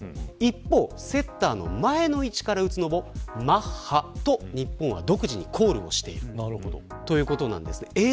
一方、セッターの前の位置から打つのをマッハと日本は独自にコールしているということなんです。